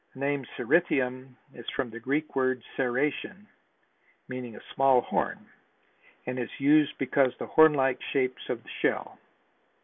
The name Cerithium is from the Greek word ceration, meaning a small horn, and is used because of the horn like shape of the shell.